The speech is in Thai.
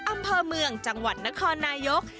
อำเภอเมืองจังหวัดนครนายก